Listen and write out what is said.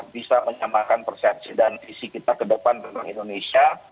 bisa menyamakan persepsi dan visi kita ke depan tentang indonesia